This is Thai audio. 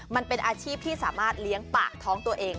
มันเป็นอาชีพที่สามารถเลี้ยงปากท้องตัวเอง